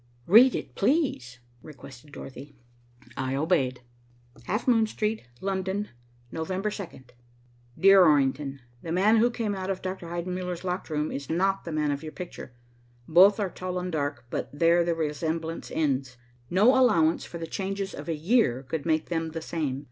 "Read it, please," requested Dorothy. I obeyed. "HALF MOON STREET, "LONDON, Nov. 2d, 19 . "DEAR ORRINGTON: The man who came out of Dr. Heidenmuller's locked room is not the man of your picture. Both are tall and dark, but there the resemblance ends. No allowance for the changes of a year could make them the same.